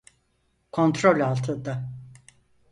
Kontrol altında.